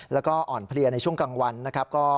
แล้วก็อ่อนเพลียในช่วงกลางวันนะครับ